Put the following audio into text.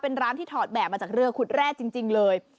เป็นร้านที่ถอดแบบมาจากเรือขุดแร่จริงเลย